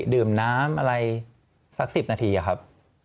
ดื่มน้ำอะไรสัก๑๐นาทีอะครับ